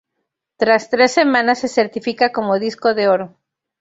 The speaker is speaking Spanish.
Tras tres semanas se certifica como disco de oro.